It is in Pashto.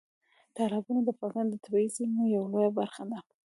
تالابونه د افغانستان د طبیعي زیرمو یوه لویه برخه ده.